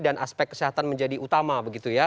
dan aspek kesehatan menjadi utama begitu ya